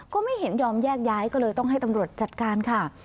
ก็ไม่เห็นยอมแยกย้ายก็เลยต้องให้ตำรวจจัดการค่ะ